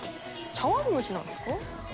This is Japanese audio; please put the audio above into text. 茶わん蒸しなんですか？